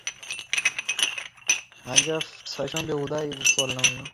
আমার গলা এমন ক্ষীণ হবে বাজল সে শুনতে পেলে না।